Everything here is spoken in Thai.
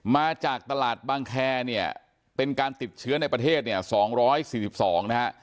มาจากตลาดบางแคร์เนี่ยเป็นการติดเชื้อในประเทศเนี่ย๒๔๒นะฮะ